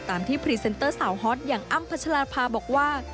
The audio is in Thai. ตามที่พรีเซนเตอร์สาวฮอตอย่างอ้ำพัชราภาบอกว่า